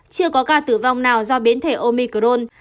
chưa có ca tử vong nào do biến thể omicron